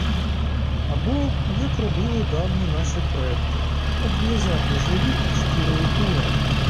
Або як робили давні наші предки: обв'язати живіт шкірою тура.